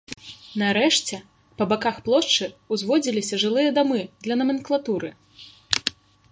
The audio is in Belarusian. Нарэшце, па баках плошчы ўзводзіліся жылыя дамы для наменклатуры.